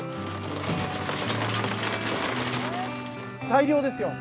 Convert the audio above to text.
大漁ですよ。